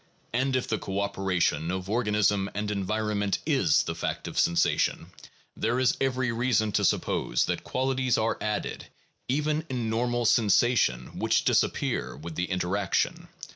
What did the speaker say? And if the cooperation of organism and environment is the fact of sensation, there is every reason to suppose that qualities are added, even in normal sensation, which disappear with the interaction.